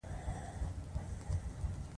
پښتون یو سوله خوښوونکی قوم دی.